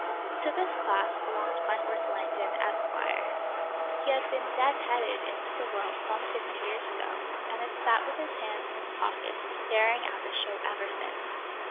To this class belonged Wentworth Langdon, Esq. He had been "dead headed" into the world some fifty years ago, and had sat with his hands in his pockets staring at the show ever since.